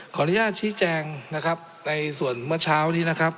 ขออนุญาตชี้แจงนะครับในส่วนเมื่อเช้านี้นะครับ